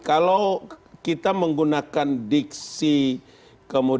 kalau kita menggunakan diksi kemudian diksi diksi yang tidak memberikan pembelajaran kemudian